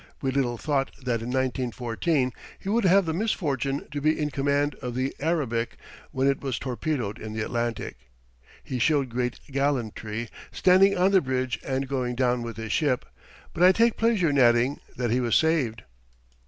We little thought that in 1914 he would have the misfortune to be in command of the Arabic when it was torpedoed in the Atlantic. He showed great gallantry, standing on the bridge and going down with his ship, but I take pleasure in adding that he was saved.